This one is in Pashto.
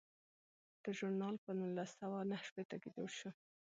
دا ژورنال په نولس سوه نهه شپیته کې جوړ شو.